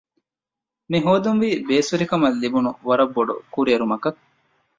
މިހޯދުން ވީ ބޭސްވެރިކަމަށް ލިބުނު ވަރަށް ބޮޑުކުރިއެރުމަކަށް